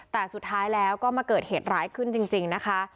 แต่สุดท้ายแล้วก็มาเกิดเหตุร้ายขึ้นจริงนะคะ